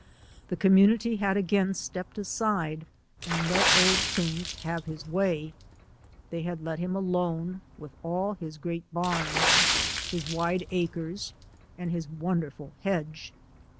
The community had again stepped aside and let Old Toombs have his way: they had let him alone, with all his great barns, his wide acres and his wonderful hedge.